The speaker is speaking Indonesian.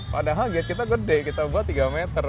padahal kita gede kita buat tiga meter